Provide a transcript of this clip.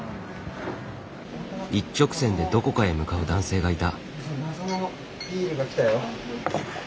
一直線でどこかへ向かう男性がいた。